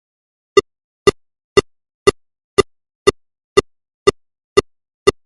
Тэр оройгоо гадуур гарч хэд хэдэн хүнтэй уулзаад нэг сонин зүйл олж сонсов.